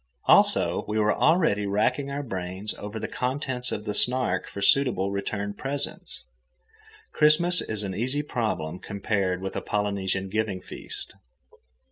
Also, we were already racking our brains over the contents of the Snark for suitable return presents. Christmas is an easy problem compared with a Polynesian giving feast.